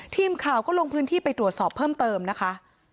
ทีมข่าวก็ลงพื้นที่ไปตรวจสอบเพิ่มเติมนะคะ